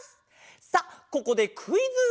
さあここでクイズ！